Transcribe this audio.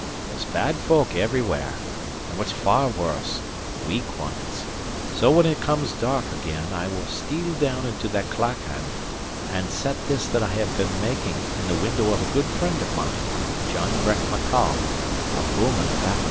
There's bad folk everywhere, and what's far worse, weak ones. So when it comes dark again, I will steal down into that clachan, and set this that I have been making in the window of a good friend of mine, John Breck Maccoll, a bouman* of Appin's."